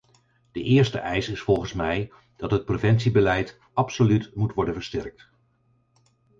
De eerste eis is volgens mij dat het preventiebeleid absoluut moet worden versterkt.